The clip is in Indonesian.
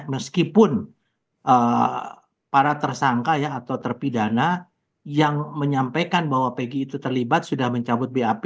meskipun para tersangka atau terpidana yang menyampaikan bahwa pg itu terlibat sudah mencabut bap